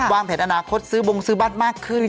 เพจอนาคตซื้อบงซื้อบ้านมากขึ้น